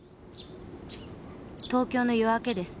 東京の夜明けです。